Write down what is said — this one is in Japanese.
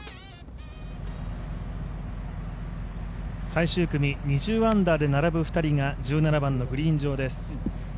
最終組２０アンダーで並ぶ２人が１７番のグリーン上です。